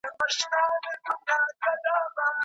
ذهني روښانتیا د غوره مالي انتخابونو لامل کیږي.